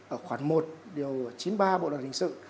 ở khoảng một điều chín mươi ba bộ luật hình sự